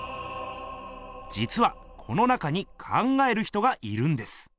じつはこの中に「考える人」がいるんです。